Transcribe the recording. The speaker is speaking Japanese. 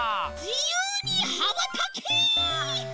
じゆうにはばたけ！